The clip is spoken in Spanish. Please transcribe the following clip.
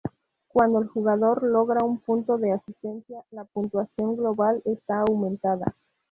Cuándo el jugador logra un punto de asistencia, la puntuación global está aumentada.